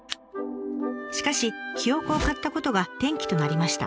しかしヒヨコを飼ったことが転機となりました。